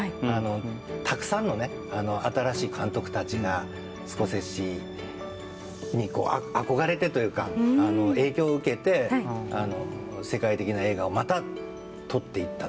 たくさんの新しい監督たちがスコセッシに憧れてというか影響を受けて世界的な映画をまた撮っていった。